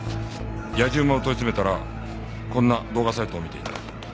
野次馬を問い詰めたらこんな動画サイトを見ていた。